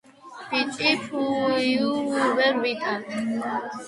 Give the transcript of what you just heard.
ბიჭი ფუუუუიიიუუუუუუუუუუუუ ვერ ვიტან